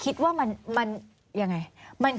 คิดว่ามันคือการเอาชนะของบาดหมาง